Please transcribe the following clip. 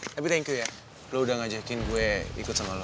tapi thank you ya lo udah ngajakin gue ikut sama lo